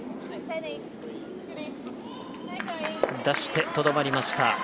出して、とどまりました。